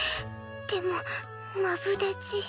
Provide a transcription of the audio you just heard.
でもマブダチ。